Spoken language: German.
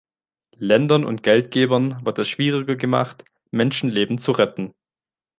Ländern und Geldgebern wird es schwieriger gemacht, Menschenleben zu retten.